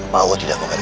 pak wo tidak mengerti